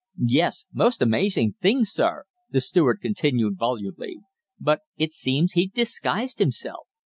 "Yes. Most amazing thing, sir," the steward continued volubly, "but it seems he'd disguised himself.